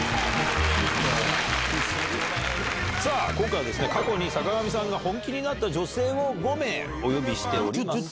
今回は過去に坂上さんが本気になった女性を５名お呼びしております。